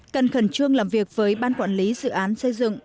cần khẩn trương làm việc với ban quản lý dự án xây dựng